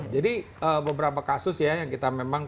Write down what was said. jadi beberapa kasus ya yang kita memang